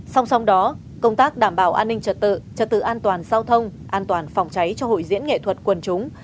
song song đó công tác đảm bảo an ninh trật tự trật tự an toàn giao thông an toàn phòng cháy cho hội diễn nghệ thuật quần chúng